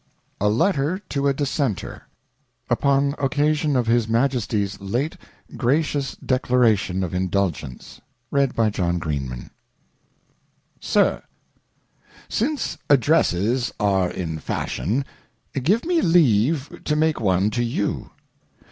A 128 A LETTER TO A DISSENTER, Upon Occasion of His Majesties late Gracious Declaration of In dulgence. SIR, SINCE Addresses are in fashion, give uie leave to make one to you.